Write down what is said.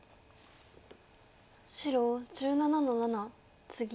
白１７の七ツギ。